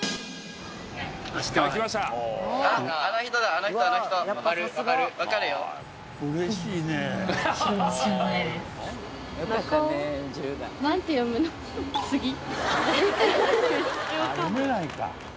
あっ読めないか。